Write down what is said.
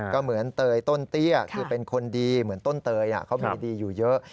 ก็เหมือนเตยต้นเตี้ยคือเป็นคนดีเหมือนต้นเตยเขามีดีอยู่เยอะ